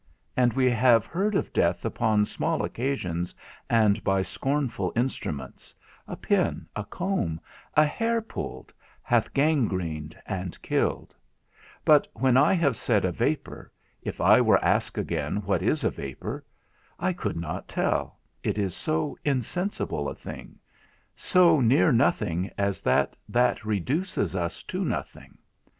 And we have heard of death upon small occasions and by scornful instruments: a pin, a comb, a hair pulled, hath gangrened and killed; but when I have said a vapour, if I were asked again what is a vapour, I could not tell, it is so insensible a thing; so near nothing is that that reduces us to nothing.